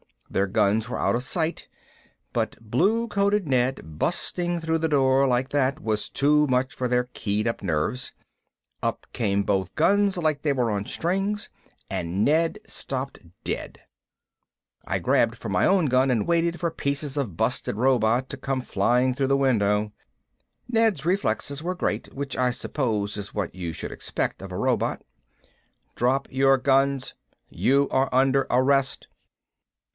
Their guns were out of sight, but blue coated Ned busting through the door like that was too much for their keyed up nerves. Up came both guns like they were on strings and Ned stopped dead. I grabbed for my own gun and waited for pieces of busted robot to come flying through the window. Ned's reflexes were great. Which I suppose is what you should expect of a robot. "DROP YOUR GUNS, YOU ARE UNDER ARREST."